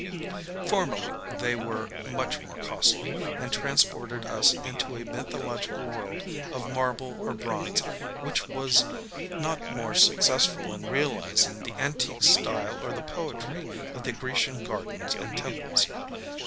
Formerly, they were much more costly, and transported us into a mjrthological world of marble or bronze which was not more successful in realizing the antique style or the poetry of the Grecian gardens and temples.